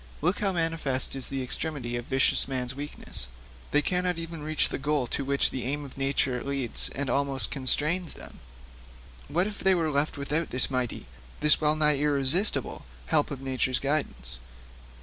Look how manifest is the extremity of vicious men's weakness; they cannot even reach that goal to which the aim of nature leads and almost constrains them. What if they were left without this mighty, this well nigh irresistible help of nature's guidance!